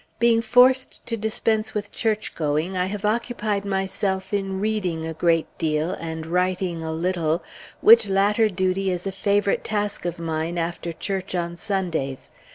Being forced to dispense with church going, I have occupied myself in reading a great deal, and writing a little, which latter duty is a favorite task of mine after church on Sundays.